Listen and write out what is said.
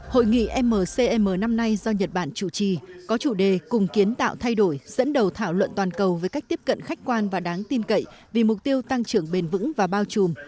hội nghị mcm năm nay do nhật bản chủ trì có chủ đề cùng kiến tạo thay đổi dẫn đầu thảo luận toàn cầu với cách tiếp cận khách quan và đáng tin cậy vì mục tiêu tăng trưởng bền vững và bao trùm